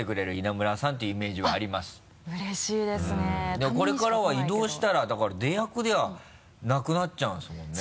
でもこれからは異動したらだから出役ではなくなっちゃうんですもんね。